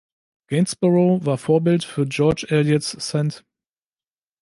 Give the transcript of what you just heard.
Gainsborough war Vorbild für George Eliots „St.